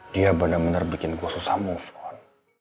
dia bener bener bikin gue susah move on